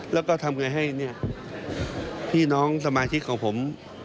แล้วก็ทำไงให้เนี่ยพี่น้องสมาชิกของผม